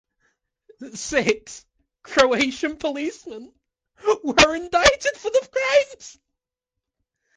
Six Croatian policemen were indicted for the crimes.